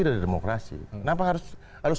dari demokrasi kenapa harus